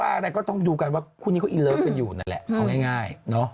ใครจะว่าก็ต้องดูกันทุกคู่เขาอิลเลิฟมันอยู่นั่นแหละเอาง่าย